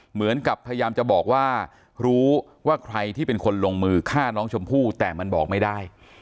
เหมือนกับพยายามจะบอกว่ารู้ว่าใครที่เป็นคนลงมือฆ่าน้องชมพู่แต่มันบอกไม่ได้